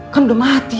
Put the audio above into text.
kan udah mati